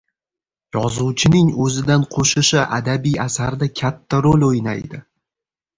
Yozuvchining o‘zidan qo‘shishi adabiy asarda katta rol o‘ynaydi.